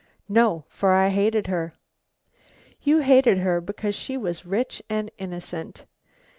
"No, for I hated her." "You hated her because she was rich and innocent.